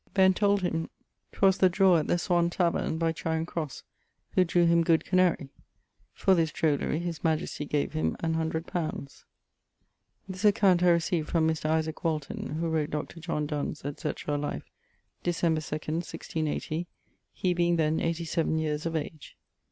Ben told him 'twas the drawer at the Swanne tavernne, by Charing crosse, who drew him good Canarie. For this drollery his majestie gave him an hundred poundes. _This account[F] I received from Mr. Isaac Walton (who wrote Dr. John Donne's &c. Life), Decemb. 2, 1680, he being then eighty seaven years of age.